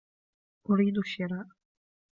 أريد الشراء.